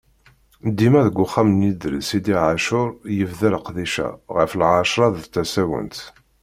ddima deg Uxxam n yidles Idir Ɛacur, yebda leqdic-a, ɣef Lɛecṛa d tasawent.